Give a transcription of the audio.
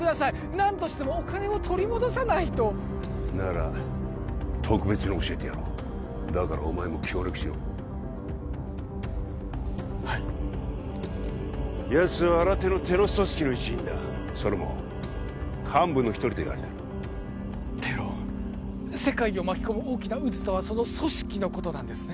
何としてもお金を取り戻さないとなら特別に教えてやろうだからお前も協力しろはいやつは新手のテロ組織の一員だそれも幹部の一人といわれてるテロ世界を巻き込む大きな渦とはその組織のことなんですね？